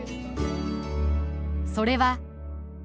それは。